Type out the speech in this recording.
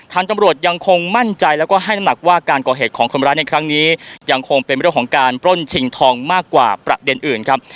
ตำรวจยังคงมั่นใจแล้วก็ให้น้ำหนักว่าการก่อเหตุของคนร้ายในครั้งนี้ยังคงเป็นเรื่องของการปล้นชิงทองมากกว่าประเด็นอื่นครับ